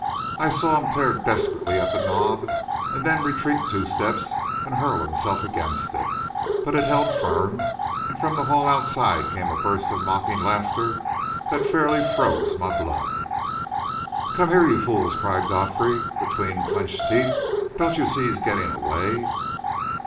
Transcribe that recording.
I saw him tear desperately at the knob, then retreat two steps and hurl himself against it. But it held firm, and from the hall outside came a burst of mocking laughter that fairly froze my blood. "Come here, you fools!" cried Godfrey between clenched teeth. "Don't you see he's getting away!"